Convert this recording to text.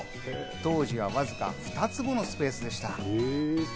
当時は、わずか２坪のスペースでした。